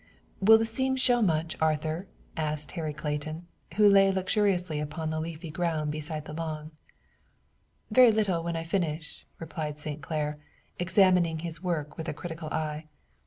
"Will the seam show much, Arthur?" asked Harry Kenton, who lay luxuriously upon the leafy ground beside the log. "Very little when I finish," replied St. Clair, examining his work with a critical eye.